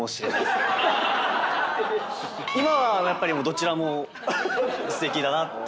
今はやっぱりどちらもすてきだなって僕は。